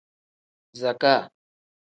Zakaa.